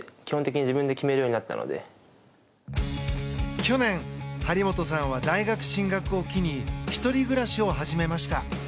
去年、張本さんは大学進学を機に１人暮らしを始めました。